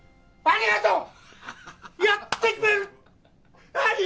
ありがとう！